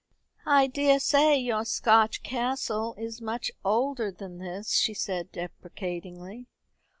"I daresay your Scotch castle is much older than this," she said deprecatingly.